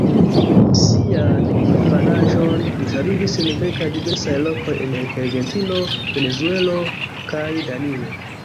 Sian infanaĝon li travivis en kelkaj diversaj lokoj en Argentino, Venezuelo kaj Danio.